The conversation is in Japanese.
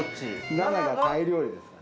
７がタイ料理ですね。